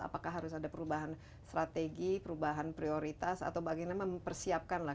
apakah harus ada perubahan strategi perubahan prioritas atau bagaimana mempersiapkan lah